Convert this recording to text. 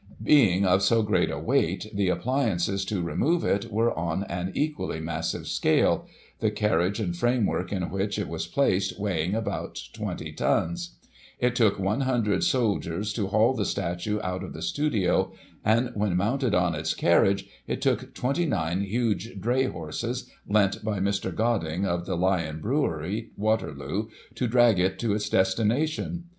Being of so great a weight, the appliances to remove it were on an equally massive scale, the carriage and framework in which it was placed weighing about 20 tons. It took 100 soldiers to haul the statue out of the studio ; and, when mounted on its Ccirriage, it took 29 huge dray horses, lent by Mr. Goding, of the Lion Brewery, Waterloo, to drag it to its destination.